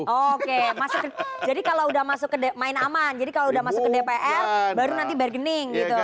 oke jadi kalau udah masuk ke dpr baru nanti berkening gitu